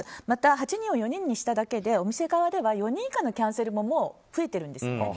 また８人を４人にしただけでお店側では４人以下のキャンセルももう増えているんです。